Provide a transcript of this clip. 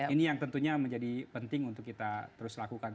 ini yang tentunya menjadi penting untuk kita terus lakukan